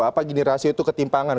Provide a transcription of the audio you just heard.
apa gini rasio itu ketimpangan